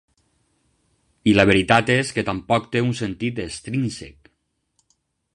I la veritat és que tampoc té un sentit extrínsec.